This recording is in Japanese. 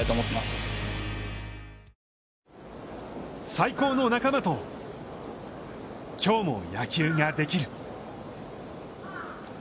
最高の仲間と、きょうも野球ができる！